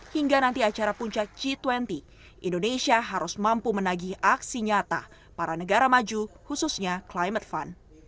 hingga nanti acara puncak g dua puluh indonesia harus mampu menagih aksi nyata para negara maju khususnya climate fund